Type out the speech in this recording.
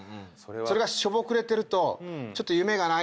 それがしょぼくれてるとちょっと夢がないかなと。